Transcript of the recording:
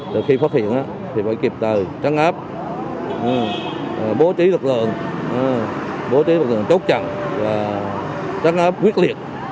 từ khi phát hiện thì phải kịp tờ trắng áp bố trí lực lượng bố trí lực lượng chốt chặt và trắng áp quyết liệt